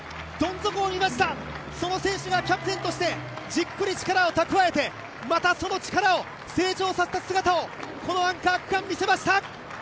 どん底を見ました、その選手がキャプテンとしてじっくり力をたくわえて、またその力を、成長させた姿を、このアンカー区間見せました。